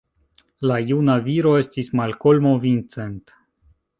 La juna viro estis Malkomo Vincent.